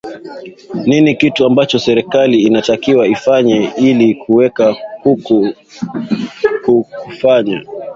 nini kitu ambacho serikali inatakiwa ifanye ili kuweza ku ku kufanya